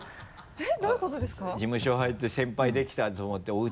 えっ！